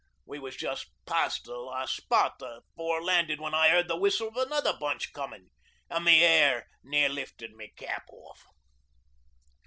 We was just past the last spot the four landed when I heard the whistle o' another bunch comin' an' my hair near lifted my cap off.